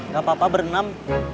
gak apa apa berenam